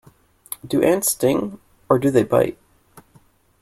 Do ants sting, or do they bite?